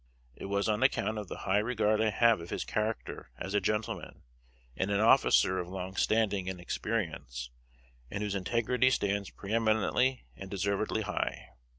It was on account of the high regard I have of his character as a gentleman, and an officer of long standing and experience, and whose integrity stands preeminently and deservedly high.